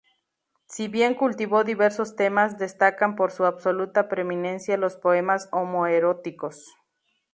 Si bien cultivó diversos temas, destacan por su absoluta preeminencia los poemas homoeróticos.